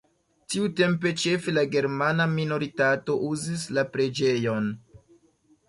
Tiutempe ĉefe la germana minoritato uzis la preĝejon.